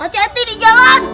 hati hati di jalan